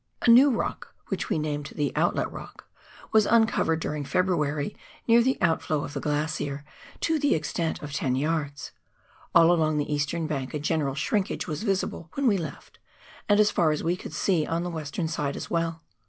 A new rock, wliicli we named the " Outlet " E,ock, was uncovered during February, near the outflow of the glacier, to the extent of ten yards. All along the eastern bank a general shrinkage was visible when we left, and, as far as we could see, on the western side as well.